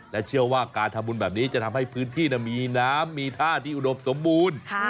และเชื่อว่าการทำบุญแบบนี้จะทำให้พื้นที่มีน้ำมีท่าที่อุดมสมบูรณ์